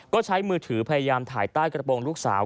ก็ใช้มือถือพยายามถ่ายใต้กระโปรงลูกสาว